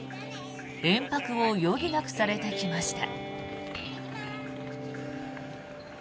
延泊を余儀なくされてきました。